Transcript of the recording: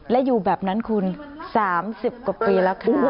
และอยู่แบบนั้นคุณ๓๐กว่าปีแล้วค่ะ